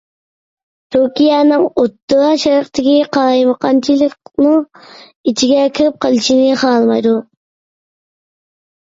تۈركىيەنىڭ ئوتتۇرا شەرقتىكى قالايمىقانچىلىقنىڭ ئىچىگە كىرىپ قېلىشىنى خالىمايدۇ.